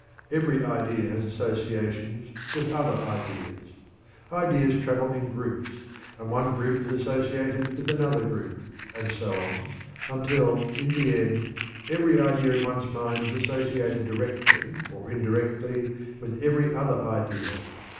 Every idea has associations with other ideas. Ideas travel in groups, and one group is associated with another group, and so on, until in the end every idea in one's mind is associated directly or indirectly with every other idea.